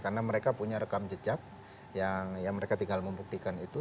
karena mereka punya rekam jejak yang mereka tinggal membuktikan itu